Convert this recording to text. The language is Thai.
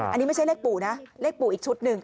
อันนี้ไม่ใช่เลขปู่นะเลขปู่อีกชุดหนึ่ง